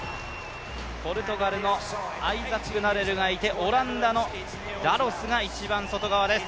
ポルトガルのアイザック・ナデルがいて、オランダのラロス選手が一番外です。